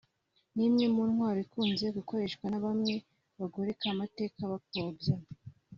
ni imwe mu ntwaro ikunze gukoreshwa na bamwe bagoreka amateka bapfobya